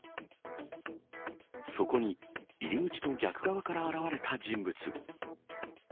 そこに入り口と逆側から現れた人物。